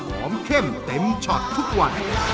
เข้มเต็มช็อตทุกวัน